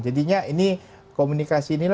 jadinya ini komunikasi ini